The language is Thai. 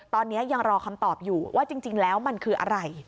ตอนนี้ยังรอคำตอบอยู่ว่าจริงแล้วมันคืออะไร